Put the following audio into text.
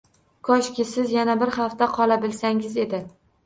Koshki, siz yana bir hafta qolabilsangiz edi!